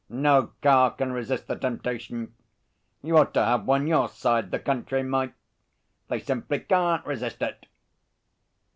No car can resist the temptation. You ought to have one your side the county, Mike. They simply can't resist it.'